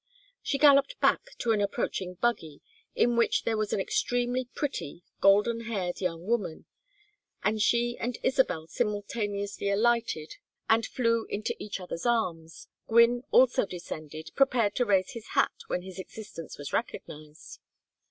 She galloped back to an approaching buggy, in which there was an extremely pretty golden haired young woman, and as she and Isabel simultaneously alighted and flew into each other's arms, Gwynne also descended, prepared to raise his hat when his existence was recognized.